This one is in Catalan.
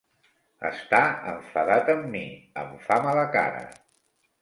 Està enfadat amb mi: em fa mala cara.